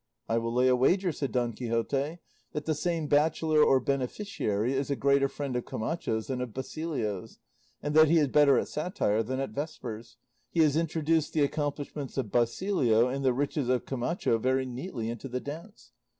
"I will lay a wager," said Don Quixote, "that the same bachelor or beneficiary is a greater friend of Camacho's than of Basilio's, and that he is better at satire than at vespers; he has introduced the accomplishments of Basilio and the riches of Camacho very neatly into the dance."